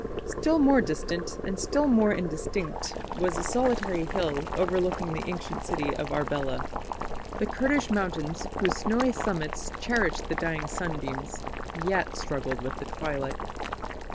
Still more distant, and still more indistinct, was a solitary hill overlooking the ancient city of Arbela. The Kurdish mountains, whose snowy summits cherished the dying sunbeams, yet struggled with the twilight.